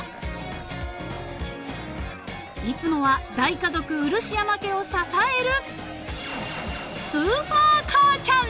［いつもは大家族うるしやま家を支える］